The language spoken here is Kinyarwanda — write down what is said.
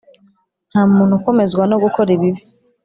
nta muntu ukomezwa no gukora ibibi,